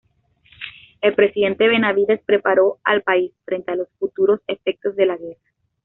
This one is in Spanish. El presidente Benavides preparó al país frente a los futuros efectos de la guerra.